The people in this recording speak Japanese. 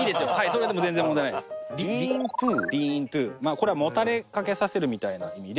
これはもたれかけさせるみたいな意味で。